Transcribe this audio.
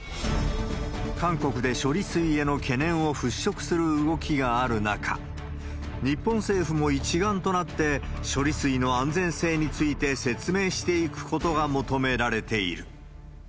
韓国で処理水への懸念を払しょくする動きがある中、日本政府も一丸となって処理水の安全性について説明していくことが求められている。